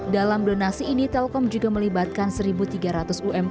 dalam donasi ini telkom juga melibatkan satu tiga ratus umkm mitra bindaan sebagai pihak penyediaan